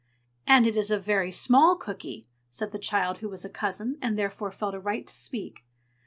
"And it is a very small cooky!" said the child who was a cousin, and therefore felt a right to speak.